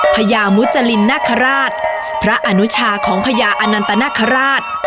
พญามุจรินนาคาราชพระอนุชาของพญาอนันตนาคาราช